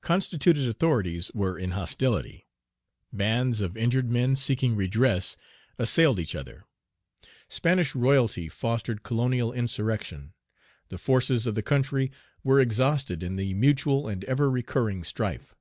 Constituted authorities were in hostility. Bands of injured men seeking redress assailed each other. Spanish royalty fostered colonial insurrection. The forces of the country were exhausted in the mutual and ever recurring strife.